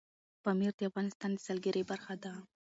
پامیر د افغانستان د سیلګرۍ برخه ده.